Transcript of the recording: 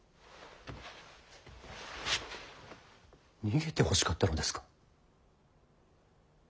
逃げてほしかったのですか。